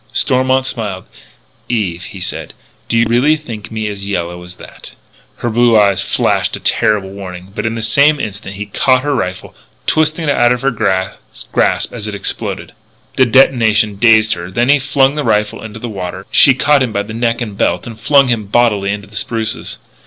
Stormont smiled: "Eve," he said, "do you really think me as yellow as that?" Her blue eyes flashed a terrible warning, but, in the same instant, he had caught her rifle, twisting it out of her grasp as it exploded. The detonation dazed her; then, as he flung the rifle into the water, she caught him by neck and belt and flung him bodily into the spruces.